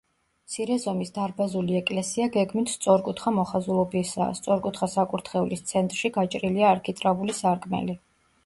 მცირე ზომის დარბაზული ეკლესია გეგმით სწორკუთხა მოხაზულობისაა, სწორკუთხა საკურთხევლის ცენტრში გაჭრილია არქიტრავული სარკმელი.